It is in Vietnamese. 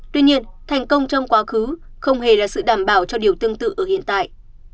tuy nhiên thành công trong quá khứ không hề là sự đảm bảo cho điều tương tự ở hiện tại